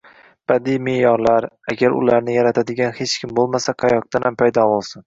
Badiiy me’yorlar, agar ularni yaratadigan hech kim bo‘lmasa, qayoqdanam paydo bo‘lsin?